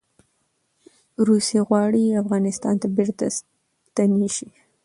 روسې غواړي افغانستان ته بیرته ستنې شي.